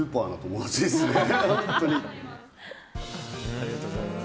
ありがとうございます。